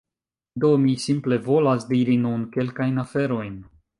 Do mi simple volas diri nun kelkajn aferojn